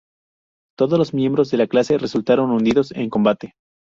Todos los miembros de la clase resultaron hundidos en combate.